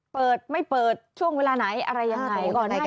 เปิดไม่เปิดช่วงเวลาไหนอะไรยังไง